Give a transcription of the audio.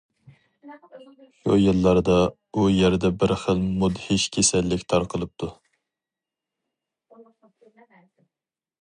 شۇ يىللاردا ئۇ يەردە بىر خىل مۇدھىش كېسەللىك تارقىلىپتۇ.